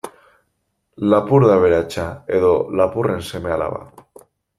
Lapur da aberatsa, edo lapurren seme-alaba.